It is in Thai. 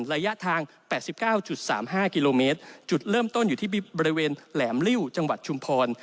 ระยะทาง๘๙๓๕กิโลเมตรจุดเริ่มต้นอยู่ที่บริเวณแหลมลิ้วจังหวัดชุมพร